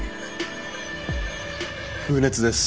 風熱です。